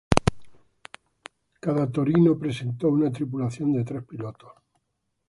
Cada Torino, presentó una tripulación de tres pilotos.